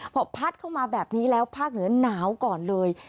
พอพัดเข้ามาแบบนี้แล้วภาคเหนือหนาวก่อนเลย